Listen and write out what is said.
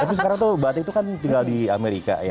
tapi sekarang tuh mbak atik tuh kan tinggal di amerika ya